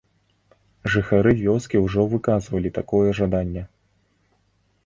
Жыхары вёскі ўжо выказвалі такое жаданне.